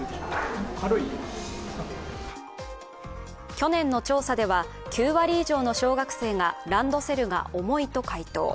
去年の調査では９割以上の小学生が、ランドセルが重いと回答。